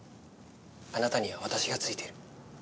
あなたには私がついている。